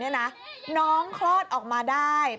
เย็นนีอยู่ไหน